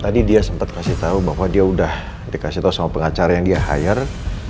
tadi dia sempat kasih tahu bahwa dia udah dikasih tau sama pengacara yang dia hire